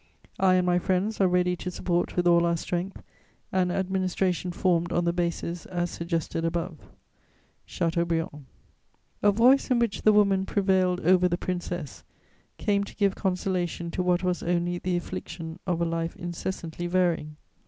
"I and my friends are ready to support with all our strength an administration formed on the bases as suggested above. "CHATEAUBRIAND." A voice in which the woman prevailed over the princess came to give consolation to what was only the affliction of a life incessantly varying.